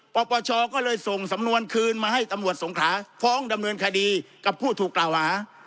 ปปชก็เลยส่งสำนวนคืนมาให้ตำรวจสงขาฟ้องดำเนินคดีกับผู้ถูกกล่าวหา